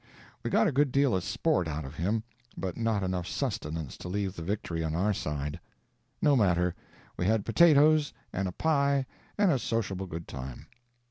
We got a good deal of sport out of him, but not enough sustenance to leave the victory on our side. No matter; we had potatoes and a pie and a sociable good time.